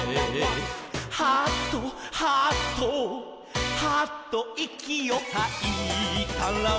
「はぁっとはぁっとはぁといきをはいたら」